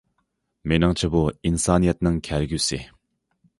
مېنىڭچە بۇ ئىنسانىيەتنىڭ كەلگۈسى.